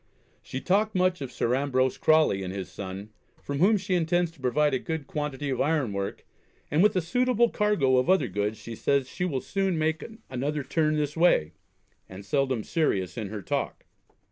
She talked much of Sir Ambrose Crawley and his son, from whom she intends to provide a good quantity of iron work; and, with a suitable cargo of other goods, she says she will soon make another turn this way; and seldom serious in her talk.